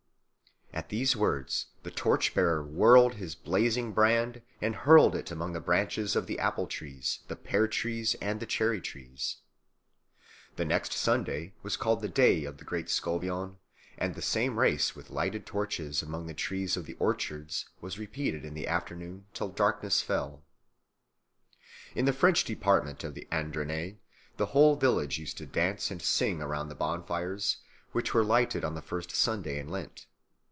At these words the torch bearer whirled his blazing brand and hurled it among the branches of the apple trees, the pear trees, and the cherry trees. The next Sunday was called the Day of the Great Scouvion, and the same race with lighted torches among the trees of the orchards was repeated in the afternoon till darkness fell. In the French department of the Ardennes the whole village used to dance and sing around the bonfires which were lighted on the first Sunday in Lent.